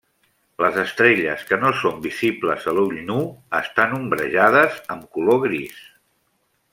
Les estrelles que no són visibles a ull nu estan ombrejades amb color gris.